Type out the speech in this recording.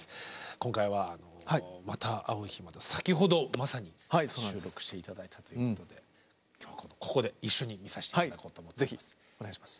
今回は「また逢う日まで」を先ほどまさに収録して頂いたということで今日はここで一緒に見させて頂こうと思います。